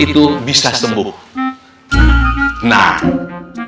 itu bisa sembuh nah langsung dan untuk orang yang ditolong sesumbang keseluruhan orang yang ditolong